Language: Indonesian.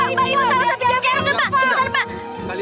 tidak tidak tidak